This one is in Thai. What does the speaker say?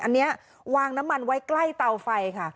อันนี้วางน้ำมันไว้ใกล้เตาไฟค่ะ